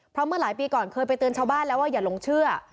เพราะเมื่อหลายปีก่อนเคยไปเตือนชาวบ้านแล้วว่าอย่าหลงเชื่อ